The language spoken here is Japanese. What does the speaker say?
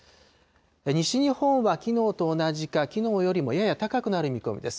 西日本はきのうと同じか、きのうよりもやや高くなる見込みです。